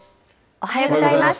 おはようございます。